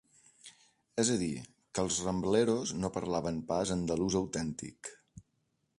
És a dir, que els Rambleros no parlaven pas andalús autèntic.